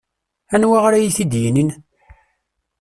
Anwa ara iyi-t-id-yinin?